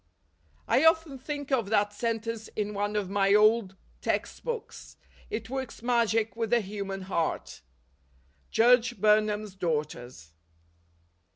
I often think of that sentence in one of my old text books. It works magic with the human heart. Judge Burnham's Daughters.